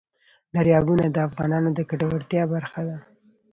دریابونه د افغانانو د ګټورتیا برخه ده.